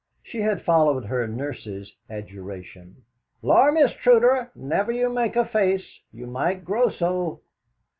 She had followed her nurse's adjuration: "Lor, Miss Truda, never you make a face You might grow so!"